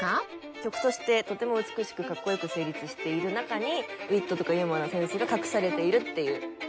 曲としてとても美しくかっこよく成立している中にウィットとかユーモアのセンスが隠されているっていう。